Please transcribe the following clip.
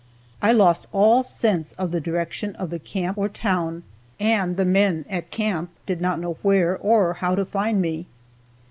I lost all sense of the direction of the camp or town, and the men at camp did not know where or how to find me.